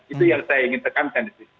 itu yang saya ingin tekankan